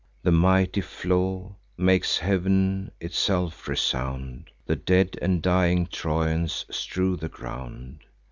The mighty flaw makes heav'n itself resound: The dead and dying Trojans strew the ground.